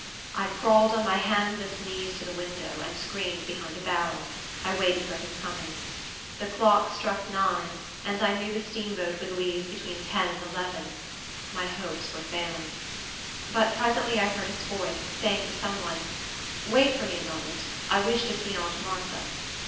I crawled on my hands and knees to the window, and, screened behind a barrel, I waited for his coming. The clock struck nine, and I knew the steamboat would leave between ten and eleven. My hopes were failing. But presently I heard his voice, saying to some one, "Wait for me a moment. I wish to see aunt Martha."